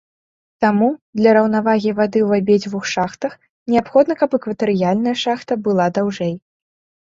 Таму для раўнавагі вады ў абедзвюх шахтах неабходна, каб экватарыяльная шахта была даўжэй.